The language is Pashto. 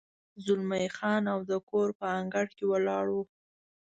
زلمی خان او د کور په انګړ کې ولاړ و.